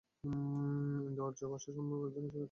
ইন্দো-আর্য ভাষাসমূহের অধিকাংশ কারক সংস্কৃত হতে আগত।